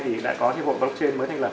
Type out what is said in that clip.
thì đã có thêm hội blockchain mới thành lập